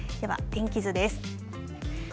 では、天気図です。